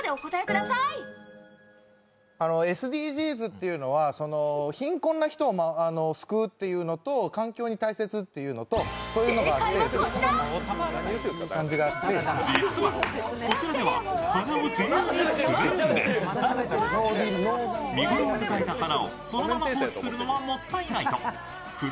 ＳＤＧｓっていうのは、貧困な人を救うっていうのと環境に大切っていうのとそういうのがあって何言うてるんですか？